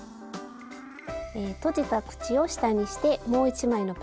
とじた口を下にしてもう１枚のパックに入れます。